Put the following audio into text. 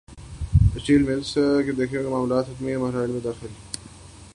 steel mills lease پر دینے کیلئے معاملات حتمی مراحل میں داخل